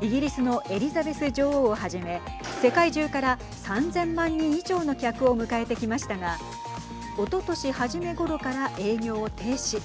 イギリスのエリザベス女王をはじめ世界中から３０００万人以上の客を迎えてきましたがおととし初めごろから営業を停止。